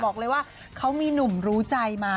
บอกเลยว่าเขามีหนุ่มรู้ใจมา